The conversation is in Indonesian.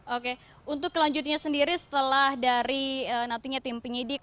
oke untuk kelanjutnya sendiri setelah dari nantinya tim penyidik